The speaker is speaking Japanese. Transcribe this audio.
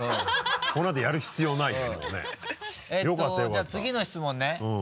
えっとじゃあ次の質問ね。